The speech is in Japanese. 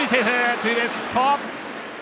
ツーベースヒット。